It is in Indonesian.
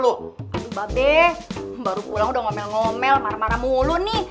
aduh mbak be baru pulang udah ngomel ngomel marah marah mulu nih